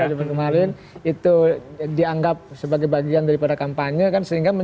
di jombang kemarin itu dianggap sebagai bagian daripada kampanye kan